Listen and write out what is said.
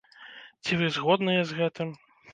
Ці вы згодныя з гэтым?